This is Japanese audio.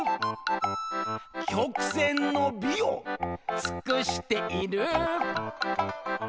「曲線の美を尽している」